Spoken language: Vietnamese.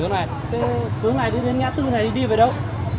hướng này hướng này đi đến ngã tư này đi về đâu